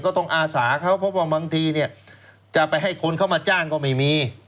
ต้องอาสาเขาเพราะว่าบางทีเนี่ยจะไปให้คนเขามาจ้างก็ไม่มี